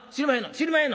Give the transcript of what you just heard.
知りまへんの？